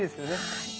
はい。